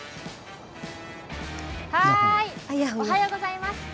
おはようございます。